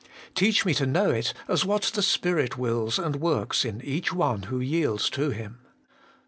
Teach me to know it as what the Spirit wills and works in each one who yields to Him.